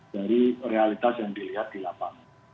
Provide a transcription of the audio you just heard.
dari realitas yang dilihat di lapangan